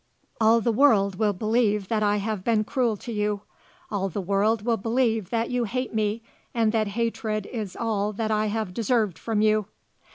All the world will believe that I have been cruel to you. All the world will believe that you hate me and that hatred is all that I have deserved from you."